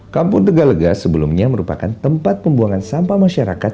kampung tegalega sebelumnya merupakan tempat pembuangan sampah masyarakat